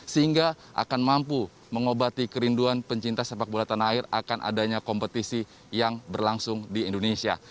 sehingga akan mampu mengobati kerinduan pencinta sepak bola tanah air akan adanya kompetisi yang berlangsung di indonesia